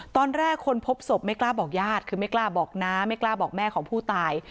ตอนแรกคนพบศพไม่กล้าบอกญาติคือไม่กล้าบอกน้าไม่กล้าบอกแม่ของผู้ตาย